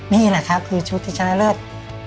นี่แหละครับคือชุดที่ชนะเลิศ